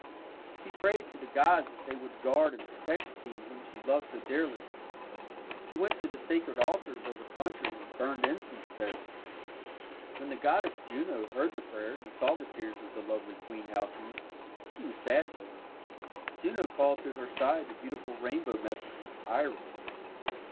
She prayed to the gods that they would guard and protect the king whom she loved so dearly. She went to the sacred altars of her country, and burned incense there. When the goddess Juno heard the prayers and saw the tears of the lovely Queen Halcyone, she was sad for her. Juno called to her side the beautiful rainbow messenger, Iris.